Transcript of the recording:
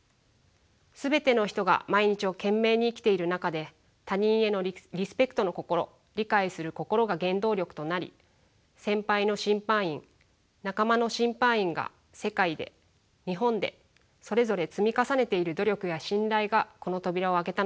全ての人が毎日を懸命に生きている中で他人へのリスペクトの心理解する心が原動力となり先輩の審判員仲間の審判員が世界で日本でそれぞれ積み重ねている努力や信頼がこの扉を開けたのだと思います。